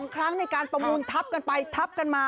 ครั้งในการประมูลทับกันไปทับกันมา